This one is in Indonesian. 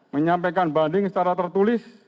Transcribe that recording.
menyampaikan banding secara tertulis